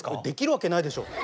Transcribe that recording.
できるわけないでしょ！